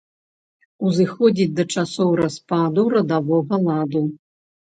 Узыходзіць да часоў распаду радавога ладу.